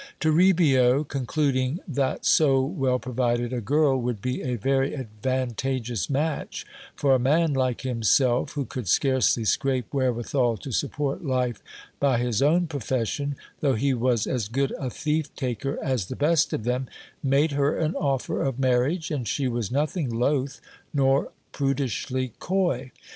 Torribio, concluding that so well provided a girl would be a very advantage ous match for a man like himself, who could scarcely scrape wherewithal to support life by his own profession, though he was as good a thief taker as the best of them, made her an offer of marriage, and she was nothing loth, nor prudishly coy.